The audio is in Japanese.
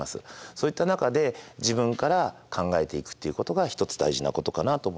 そういった中で自分から考えていくっていうことが１つ大事なことかなと思います。